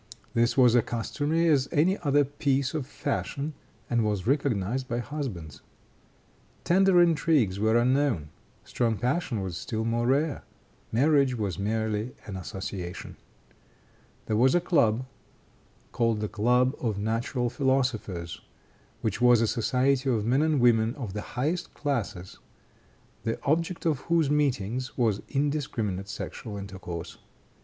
This was as customary as any other piece of fashion, and was recognized by husbands. Tender intrigues were unknown; strong passion was still more rare; marriage was merely an association. There was a club, called the club of natural philosophers, which was a society of men and women of the highest classes, the object of whose meetings was indiscriminate sexual intercourse.